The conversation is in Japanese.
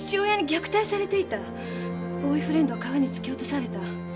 ボーイフレンドを川に突き落とされた。